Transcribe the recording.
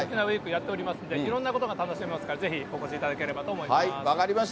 やってますんで、いろんなことが楽しめますから、ぜひお越しいただければと思います。